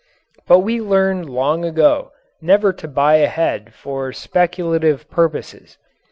But we learned long ago never to buy ahead for speculative purposes.